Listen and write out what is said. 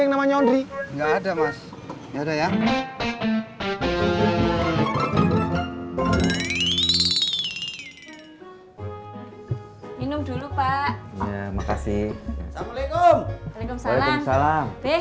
yang namanya ondri enggak ada mas ya udah ya minum dulu pak makasih assalamualaikum waalaikumsalam